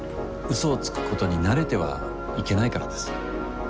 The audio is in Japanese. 嘘をつくことに慣れてはいけないからです。